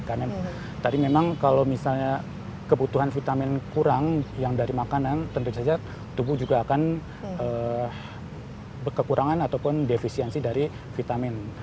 karena tadi memang kalau misalnya kebutuhan vitamin kurang yang dari makanan tentu saja tubuh juga akan kekurangan ataupun defisiensi dari vitamin